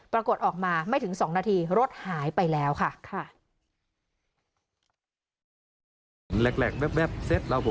ปรากฏออกมาไม่ถึง๒นาทีรถหายไปแล้วค่ะ